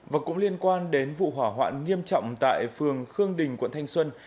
và cũng liên quan đến vụ hỏa hoạn nghiêm trọng tại phường khương đình quận thanh xuân